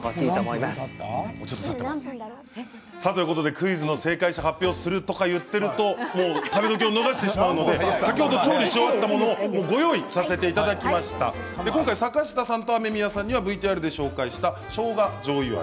クイズの正解者発表するとか言っているともう食べ時を逃してしまうので先ほど調理し終わったものをご用意させていただきました、本今回、坂下さんと雨宮さんにはＶＴＲで紹介したしょうがじょうゆ味。